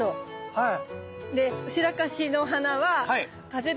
はい。